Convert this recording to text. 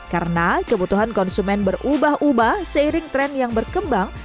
karena kebutuhan konsumen berubah ubah seiring tren yang berkembang